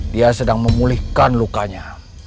dia sedang memulihkan lukanya